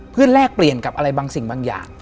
เพื่อแลกเปลี่ยนกับอะไรบางสิ่งบางอย่าง